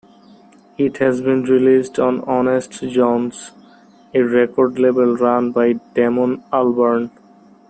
It has been released on Honest Jon's, a record label run by Damon Albarn.